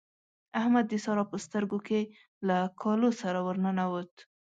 احمد د سارا په سترګو کې له کالو سره ور ننوت.